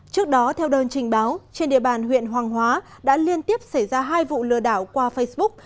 trước đó theo đơn trình báo trên địa bàn huyện hoàng hóa đã liên tiếp xảy ra hai vụ lừa đảo qua facebook